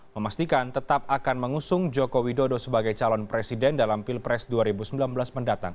memastikan tetap akan mengusung joko widodo sebagai calon presiden dalam pilpres dua ribu sembilan belas mendatang